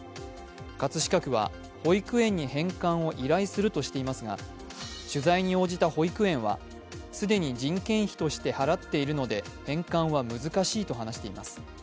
葛飾区は保育園に返還を依頼するとしていますが取材に応じた保育園は、既に人件費として払っているので返還は難しいと話しています。